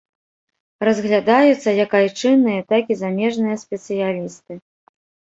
Разглядаюцца як айчынныя, так і замежныя спецыялісты.